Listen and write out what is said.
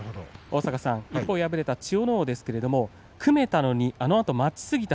一方、敗れた千代ノ皇ですが組めたのにあのあと待ちすぎた。